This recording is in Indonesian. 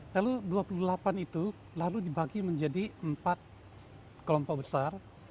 lalu dua puluh delapan itu lalu dibagi menjadi empat kelompok besar